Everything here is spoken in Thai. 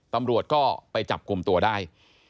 ตำรวจก็ไปจับกลุ่มตัวได้